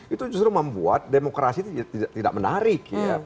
itu justru membuat demokrasi itu tidak menarik